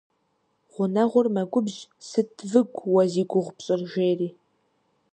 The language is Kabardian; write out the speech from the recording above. Гъунэгъур мэгубжь, сыт выгу уэ зи гугъу пщӀыр, жери.